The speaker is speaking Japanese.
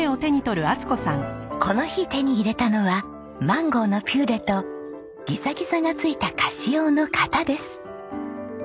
この日手に入れたのはマンゴーのピューレとギザギザが付いた菓子用の型です。